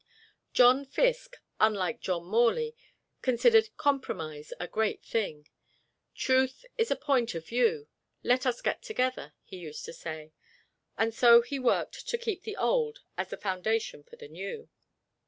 John Fiske, unlike John Morley, considered "Compromise" a great thing. "Truth is a point of view: let us get together," he used to say. And so he worked to keep the old, as a foundation for the new.